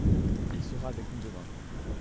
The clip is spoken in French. Il sera avec nous demain.